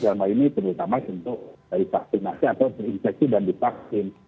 dalam hal ini terutama untuk divaksinasi atau terinfeksi dan divaksin